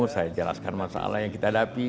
saya jelaskan masalah yang kita hadapi